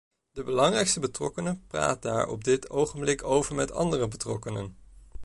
De belangrijkste betrokkene praat daar op dit ogenblik over met andere betrokkenen.